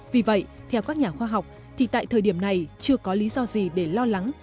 vì vậy theo các nhà khoa học thì tại thời điểm này chưa có lý do gì để lo lắng